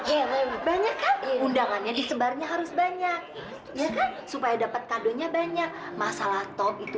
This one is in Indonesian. ya banyak banyak kan undangannya disebarnya harus banyak supaya dapat kadonya banyak masalah top itu